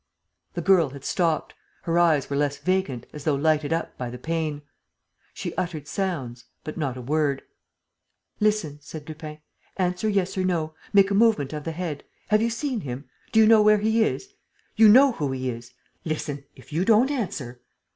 The girl had stopped; her eyes were less vacant, as though lighted up by the pain. She uttered sounds. ... but not a word. "Listen," said Lupin. "Answer yes or no ... make a movement of the head ... Have you seen him? Do you know where he is? ... You know who he is. ... Listen! if you don't answer.